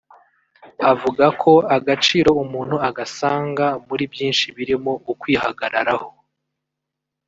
Avuga ko agaciro umuntu agasanga muri byinshi birimo ukwihagararaho